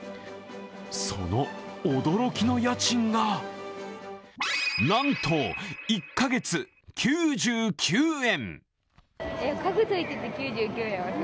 その驚きの家賃がなんと、１カ月９９円。